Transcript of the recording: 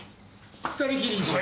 ２人きりにしろ。